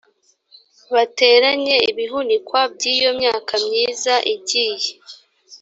bateranye ibihunikwa by iyo myaka myiza igiye